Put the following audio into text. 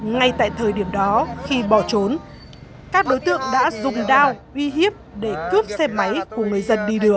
ngay tại thời điểm đó khi bỏ trốn các đối tượng đã dùng đao uy hiếp để cướp xe máy của người dân đi đường